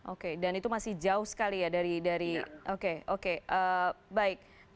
oke dan itu masih jauh sekali ya dari oke baik